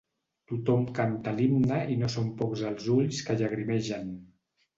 Tothom canta l'himne i no són pocs els ulls que llagrimegen.